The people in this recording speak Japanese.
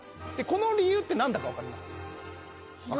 この理由って何だか分かります？